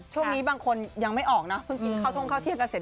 ช่วงนี้บางคนยังไม่ออกนะเพิ่งกินข้าวท่องข้าวเที่ยงกันเสร็จ